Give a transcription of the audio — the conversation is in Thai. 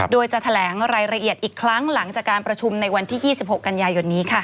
โดยจะแถลงรายละเอียดอีกครั้งหลังจากการประชุมในวันที่๒๖กันยายนนี้